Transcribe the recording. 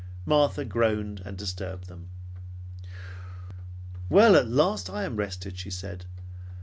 Martha groaned and disturbed them. "Well, at last I am rested," she said.